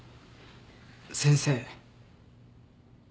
先生。